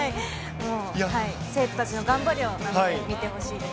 生徒たちの頑張りを見てほしいです。